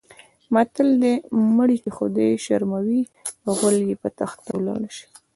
متل دی: مړی چې خدای شرموي غول یې په تخته ولاړ شي.